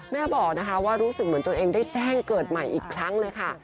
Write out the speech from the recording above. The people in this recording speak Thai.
แม่บอกนะคะว่ารู้สึกเหมือนตัวเองได้แจ้งเกิดใหม่อีกครั้งเลยค่ะ